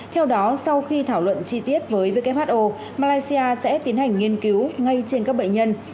theo đó sau khi thảo luận chi tiết với who malaysia sẽ tiến hành nghiên cứu ngay trên các bệnh nhân